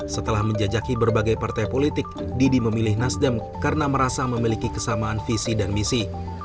setelah menjajaki berbagai partai politik didi memilih nasdem karena merasa memiliki kesamaan visi dan misi